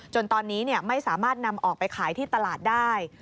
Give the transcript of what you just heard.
ตอนนี้ไม่สามารถนำออกไปขายที่ตลาดได้